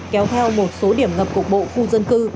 kéo theo một số điểm ngập cục bộ khu dân cư